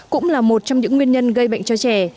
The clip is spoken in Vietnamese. cũng là một trong những nguyên nhân gây bệnh cho trẻ